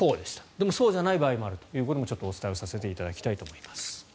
でもそうじゃない場合もあるということをお伝えさせていただきたいと思います。